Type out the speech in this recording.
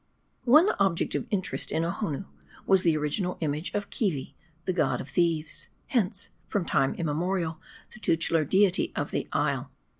ONE object of interest in Ohonoo was the original image of Keevi the god of Thieves ; hence, from time immemorial, the tutelar deity of the isle.